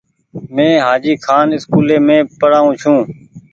مين هآجي کآن اسڪولي مين پڙآئو ڇون۔